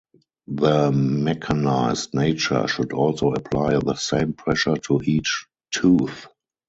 The mechanized nature should also apply the same pressure to each tooth.